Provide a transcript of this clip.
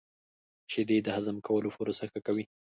• شیدې د هضم کولو پروسه ښه کوي.